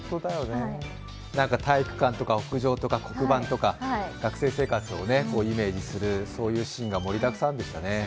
体育館とか屋上とか黒板とか学生生活をイメージするシーンが盛りだくさんでしたね。